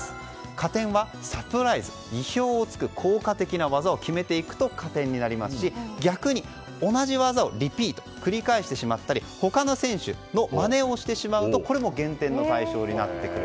加点はサプライズ意表を突く効果的な技を決めていくと加点になりますし逆に同じ技をリピート繰り返してしまったり他の選手のまねをしてしまうとこれも減点の対象になってくる。